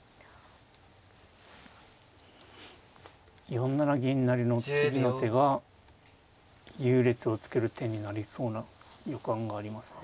４七銀成の次の手が優劣をつける手になりそうな予感がありますね。